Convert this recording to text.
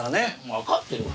わかってるわよ。